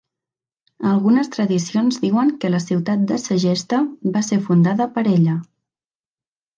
Algunes tradicions diuen que la ciutat de Segesta va ser fundada per ella.